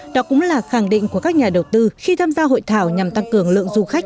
đó cũng là khẳng định của các nhà đầu tư khi tham gia hội thảo nhằm tăng cường lượng du khách